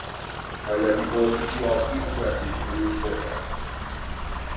Mae wedi bod yn diogi'n y gwely drwy'r bore.